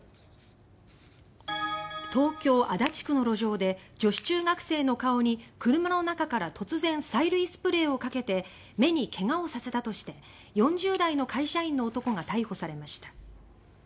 東京・足立区の路上で女子中学生の顔に車の中から突然、催涙スプレーをかけて目に怪我をさせたとして４０代の会社員の男が逮捕されました。